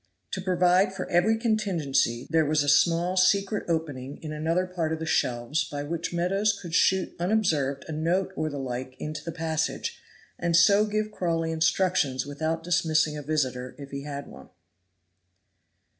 To provide for every contingency, there was a small secret opening in another part of the shelves by which Meadows could shoot unobserved a note or the like into the passage, and so give Crawley instructions without dismissing a visitor, if he had one.